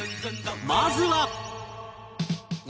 まずは